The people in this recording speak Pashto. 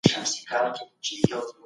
خپل هېواد په خپله جوړ کړئ.